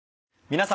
皆様。